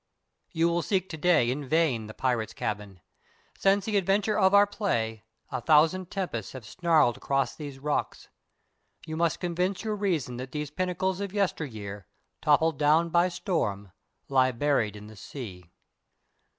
_ _You will seek today in vain the pirates' cabin. Since the adventure of our play a thousands tempests have snarled across these rocks. You must convince your reason that these pinnacles of yesteryear, toppled down by storm, lie buried in the sea.